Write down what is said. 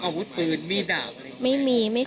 คิดว่าอยู่ตรงแถวบ้านอะไรอย่างเงี้ยคือว่าอยู่มาก